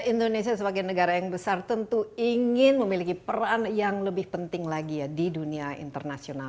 indonesia sebagai negara yang besar tentu ingin memiliki peran yang lebih penting lagi ya di dunia internasional